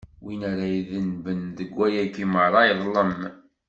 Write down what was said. Win ara idenben deg wayagi meṛṛa, iḍlem.